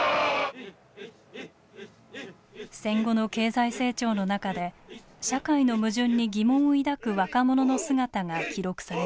戦後の経済成長の中で社会の矛盾に疑問を抱く若者の姿が記録されていました。